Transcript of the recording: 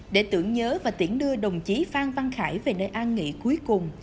để tưởng nhớ và tiễn đưa đồng chí phan văn khải về nơi an nghỉ cuối cùng